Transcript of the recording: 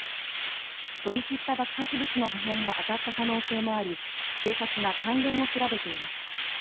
飛び散った爆発物の破片が当たった可能性もあり警察が関連を調べています。